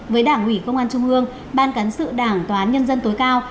với đảng ủy công an trung ương ban cán sự đảng tòa án nhân dân tối cao